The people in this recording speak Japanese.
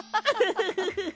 フフフフ。